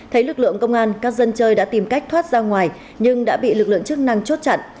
thấy lực lượng công an các dân chơi đã tìm cách thoát ra ngoài nhưng đã bị lực lượng chức năng chốt chặn